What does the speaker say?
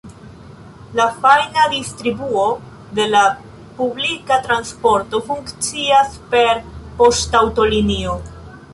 La fajna distribuo de la publika transporto funkcias per poŝtaŭtolinio.